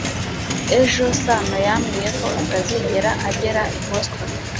ejo, sano yambwiye ko atazigera agera i boston